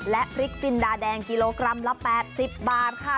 และพริกจินดาแดงกิโลกรัมละ๘๐บาทค่ะ